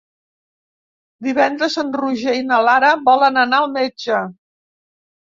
Divendres en Roger i na Lara volen anar al metge.